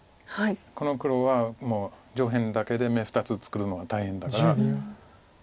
この黒はもう上辺だけで眼２つ作るの大変だから。